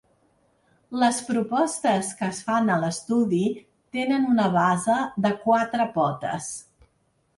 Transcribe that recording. Les propostes que es fan a l’estudi tenen una base de quatre potes.